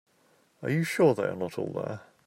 Are you sure they are not all there?